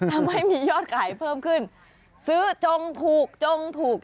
ทำให้มียอดขายเพิ่มขึ้นซื้อจงถูกจงถูก